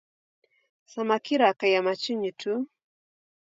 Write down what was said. Samaki rakaia machinyi tu.